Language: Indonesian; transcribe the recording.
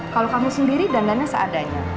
kalau kamu sendiri dandannya seadanya